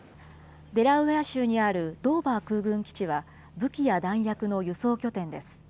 デラウェア州にあるドーバー空軍基地は、武器や弾薬の輸送拠点です。